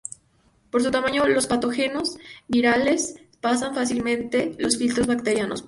Por su tamaño los patógenos virales pasan fácilmente los filtros bacterianos.